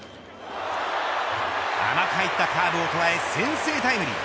甘く入ったカーブを捉え先制タイムリー。